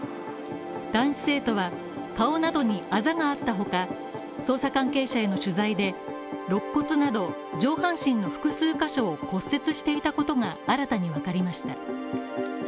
男子生徒は顔などにあざがあったほか、捜査関係者への取材で肋骨など上半身の複数箇所を骨折していたことが新たにわかりました。